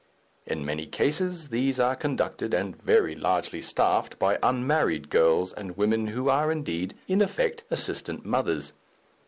In many cases these are conducted and very largely staffed by unmarried girls and women who are indeed, in effect, assistant mothers.